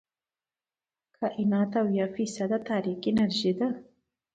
د کائنات اويا فیصده تاریک انرژي ده.